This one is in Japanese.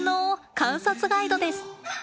観察ガイドです！